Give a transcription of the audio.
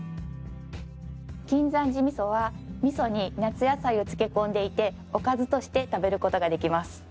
金山寺みそはみそに夏野菜を漬け込んでいておかずとして食べる事ができます。